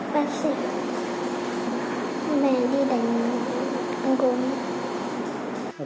bác sĩ mẹ đi đánh con gái